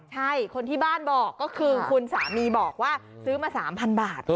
ใช่คนที่บ้านบอกก็คือคุณสามีบอกว่าซื้อมา๓๐๐บาท